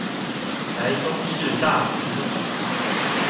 台中市大智路